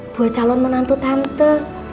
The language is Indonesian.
buat calon menantu tante